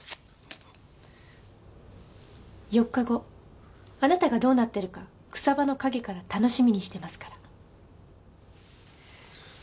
４日後あなたがどうなってるか草葉の陰から楽しみにしてますから。